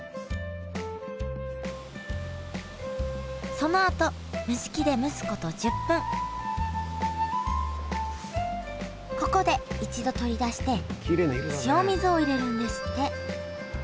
そのあと蒸し器で蒸すこと１０分ここで一度取り出して塩水を入れるんですって。